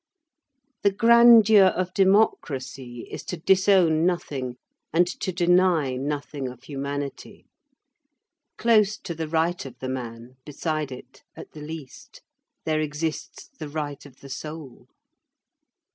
The grandeur of democracy is to disown nothing and to deny nothing of humanity. Close to the right of the man, beside it, at the least, there exists the right of the soul.